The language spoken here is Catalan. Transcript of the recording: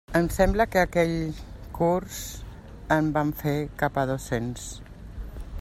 Em sembla que aquell curs en vam fer cap a dos-cents.